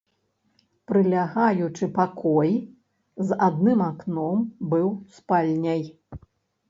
Прылягаючы пакой з адным акном быў спальняй.